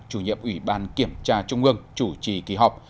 chủ nhiệm ủy ban kiểm tra trung ương chủ trì kỳ họp